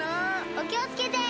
おきをつけて！